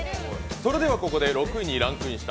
それではここで６位にランクインした